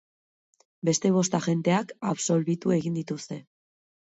Beste bost agenteak absolbitu egin dituzte.